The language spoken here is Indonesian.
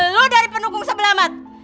lu dari pendukung sebelah mat